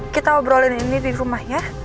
kita obrolin ini di rumah ya